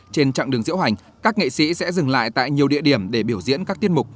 trên chặng đường diễu hành các nghệ sĩ sẽ dừng lại tại nhiều địa điểm để biểu diễn các tiết mục